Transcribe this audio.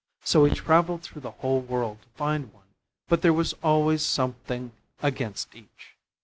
So he travelled through the whole world to find one, but there was always something against each.